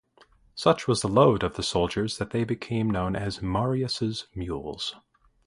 Such was the load of the soldiers that they became known as "Marius' Mules".